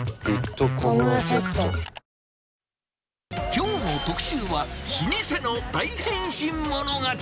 きょうの特集は、老舗の大変身物語。